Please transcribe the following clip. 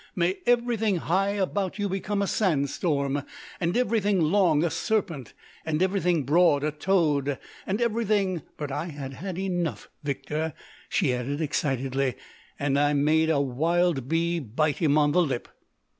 May everything high about you become a sandstorm, and everything long a serpent, and everything broad a toad, and everything——' "But I had had enough, Victor," she added excitedly, "and I made a wild bee bite him on the lip!